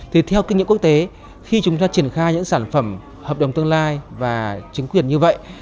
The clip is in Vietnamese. thì theo kinh nghiệm quốc tế khi chúng ta triển khai những sản phẩm hợp đồng tương lai và chứng quyền như vậy